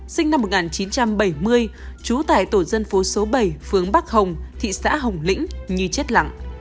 sinh năm một nghìn chín trăm bảy mươi trú tại tổ dân phố số bảy phướng bắc hồng thị xã hồng lĩnh như chết lặng